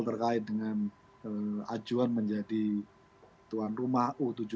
terkait dengan ajuan menjadi tuan rumah u tujuh belas